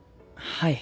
はい。